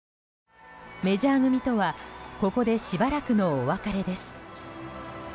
メジャー組とはここでしばらくのお別れです。